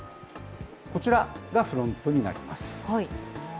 こちらがフロントになります。